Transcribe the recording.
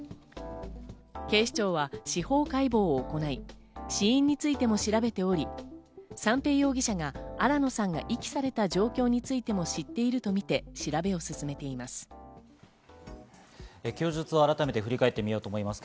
警視庁は司法解剖を行い、死因についても調べており、三瓶容疑者が新野さんが遺棄された状況についても知っているとみ供述を改めて振り返ります。